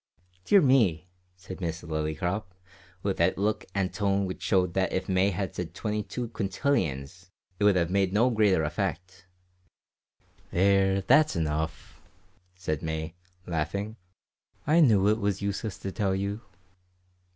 "Dear me!" said Miss Lillycrop, with that look and tone which showed that if May had said twenty two quintillions it would have had no greater effect. "There, that's enough," said May, laughing. "I knew it was useless to tell you."